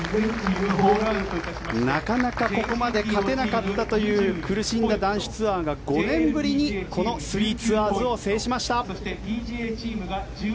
なかなかここまで勝てなかったという苦しんだ男子ツアーが５年ぶりにこの３ツアーズを制しました。